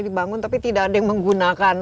dibangun tapi tidak ada yang menggunakan